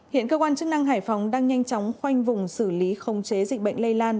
hiện cơ quan chức năng hải phòng đang nhanh chóng khoanh vùng xử lý khống chế dịch bệnh lây lan